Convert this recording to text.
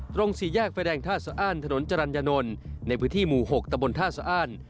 สี่แยกไฟแดงท่าสะอ้านถนนจรรยนนท์ในพื้นที่หมู่๖ตะบนท่าสะอ้าน